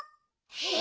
え！